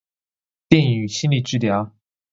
電影與心理治療